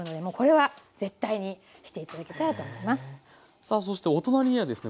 さあそしてお隣にはですね